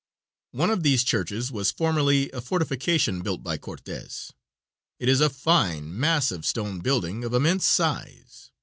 One of these churches was formerly a fortification built by Cortes. It is a fine, massive stone building of immense size.